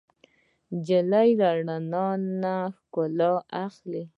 نجلۍ له رڼا نه ښکلا اخلي.